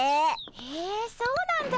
へえそうなんだ。